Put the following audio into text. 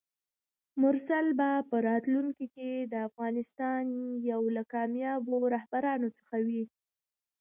مرسل به په راتلونکي کې د افغانستان یو له کاميابو رهبرانو څخه وي!